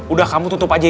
udah kamu tutup aja ya